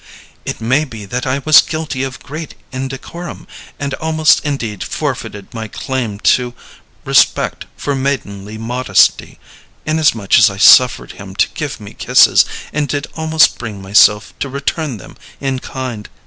"It may be that I was guilty of great indecorum, and almost indeed forfeited my claim to respect for maidenly modesty, inasmuch as I suffered him to give me kisses, and did almost bring myself to return them in kind.